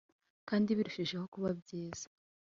kandi birushijeho kuba byiza